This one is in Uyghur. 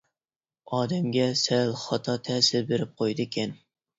ئادەمگە سەل خاتا تەسىر بېرىپ قۇيىدىكەن.